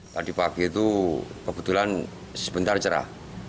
tadi pagi itu kebetulan sebentar cerah